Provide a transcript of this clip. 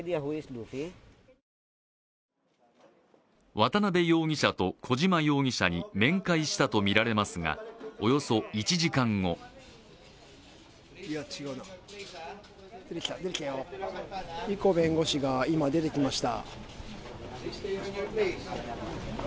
渡辺容疑者と小島容疑者に面会したとみられますがおよそ１時間後弁護士が出てきました。